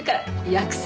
約束！